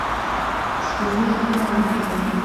سپوږمۍ خپله رڼا کوي.